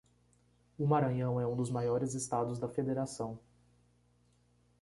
O Maranhão é um dos maiores estados da federação